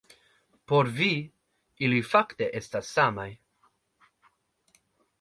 Por vi, ili fakte estas samaj.